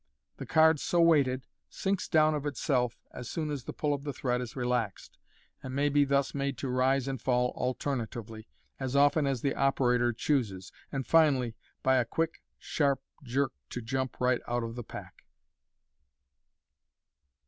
The card, so weighted, sinks down of itself as soon as the pull of the thread is relaxed, and may be thus made to rise and fall alternately, as often as the operator chooses, and finally, by a quick, sharp jerk, to jump right out of the pack.